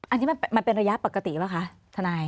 อันนี้มันเป็นระยะปกติป่ะคะทนาย